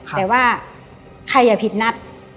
แต่ว่าใครอย่าผิดนัด